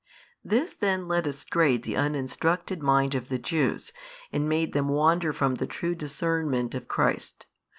This then led astray the uninstructed mind of the Jews, and made them wander from the true discernment of Christ.